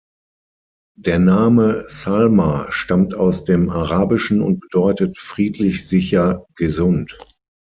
Der Name Salma stammt aus dem Arabischen und bedeutet „friedlich, sicher, gesund“.